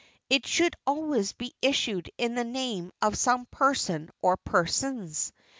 It should always be issued in the name of some person or persons.